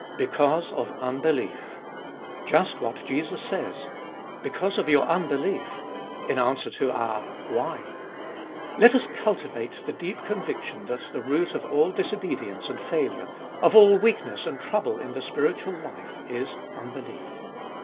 2. Because of unbelief. Just what Jesus says : Because of your unbelief, in answer to our Why? Let us cultivate the deep conviction that the root of all disobedience and failure, of all weakness and trouble in the spiritual life, is unbelief.